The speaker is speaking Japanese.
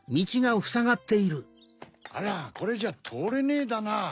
あらこれじゃとおれねえだな。